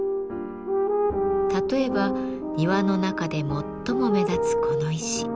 例えば庭の中で最も目立つこの石。